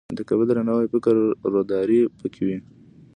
متقابل درناوی او فکري روداري پکې وي.